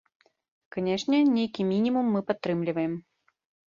Канешне, нейкі мінімум мы падтрымліваем.